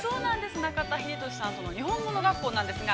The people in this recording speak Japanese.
◆中田英寿さんとの「にほんもの学校」なんですが。